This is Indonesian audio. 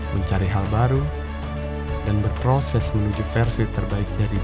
mencari hal baru dan berproses menuju versi terbaik dari dunia